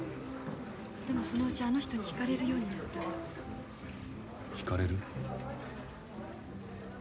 でもそのうちあの人に引かれるようになったの。引かれる？